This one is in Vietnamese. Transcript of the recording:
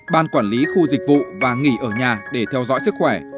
ban quản lý khu dịch vụ và nghỉ ở nhà để theo dõi sức khỏe